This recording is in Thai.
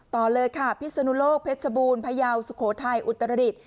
ต่อเลยค่ะพิศนุโลกเพชรบูรณพยาวสุโขทัยอุตรดิษฐ